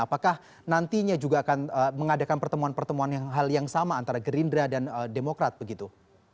apakah nantinya juga akan mengadakan pertemuan pertemuan hal yang sama antara gerindra dan demokrat begitu